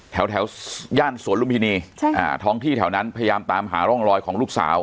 แถวย่านสวนลุมพินีท้องที่แถวนั้นพยายามตามหาร่องรอยของลูกสาว